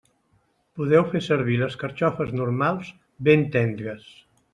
Podeu fer servir les carxofes normals, ben tendres.